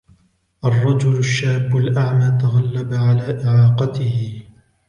الرَجُل الشاب الأعمى تغلب على إعاقتهُ.